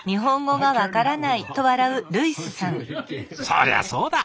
そりゃそうだ。